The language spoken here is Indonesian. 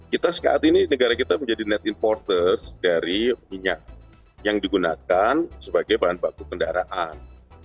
kita saat ini negara kita menjadi net importer dari minyak yang digunakan sebagai bahan baku kendaraan